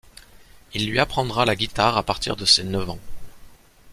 Il lui apprendra la guitare à partir de ses neuf ans.